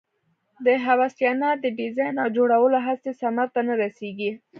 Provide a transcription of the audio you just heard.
د هوساینه د ډیزاین او جوړولو هڅې ثمر ته نه رسېږي.